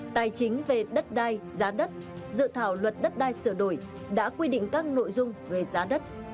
tài chính về đất đai giá đất dự thảo luật đất đai sửa đổi đã quy định các nội dung về giá đất